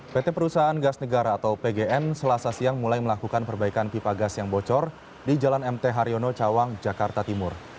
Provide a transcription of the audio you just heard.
pt perusahaan gas negara atau pgn selasa siang mulai melakukan perbaikan pipa gas yang bocor di jalan mt haryono cawang jakarta timur